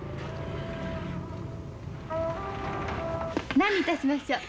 何にいたしましょう？